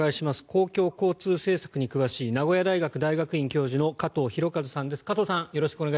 公共交通政策に詳しい名古屋大学大学院教授の加藤博和さんです。